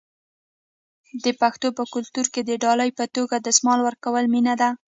د پښتنو په کلتور کې د ډالۍ په توګه دستمال ورکول مینه ده.